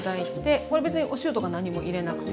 これ別にお塩とか何も入れなくて。